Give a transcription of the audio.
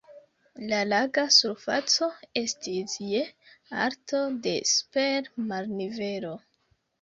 La laga surfaco estis je alto de super marnivelo.